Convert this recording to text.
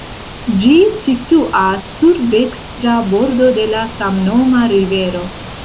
Ĝi situas sur dekstra bordo de la samnoma rivero.